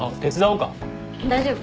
大丈夫。